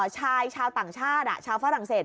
ชายชาวต่างชาติชาวฝรั่งเศส